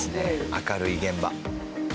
明るい現場。